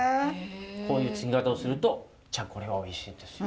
こういうつぎ方をするとチャコリはおいしいんですよ。